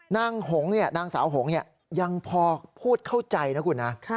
หงนางสาวหงยังพอพูดเข้าใจนะคุณนะ